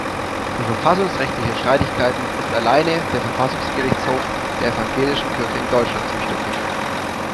Für verfassungsrechtliche Streitigkeiten ist alleine der Verfassungsgerichtshof der Evangelischen Kirche in Deutschland zuständig.